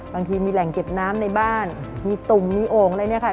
บางทีมีแหล่งเก็บน้ำในบ้านมีตุ่มมีโอ่งอะไรเนี่ยค่ะ